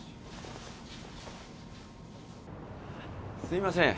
すいません。